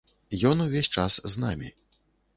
Ён увесь час з намі.